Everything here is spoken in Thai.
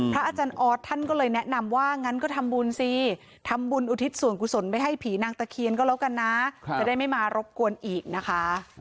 อาจารย์ออสท่านก็เลยแนะนำว่างั้นก็ทำบุญสิทำบุญอุทิศส่วนกุศลไปให้ผีนางตะเคียนก็แล้วกันนะจะได้ไม่มารบกวนอีกนะคะ